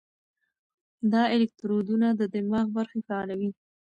دا الکترودونه د دماغ برخې فعالوي.